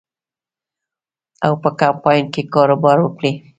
او په کمپاین کې کاروبار وکړي.